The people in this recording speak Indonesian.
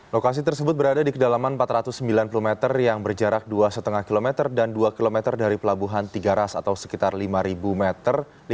lokasi tersebut berada di kedalaman empat ratus sembilan puluh meter yang berjarak dua lima km dan dua km dari pelabuhan tiga ras atau sekitar lima meter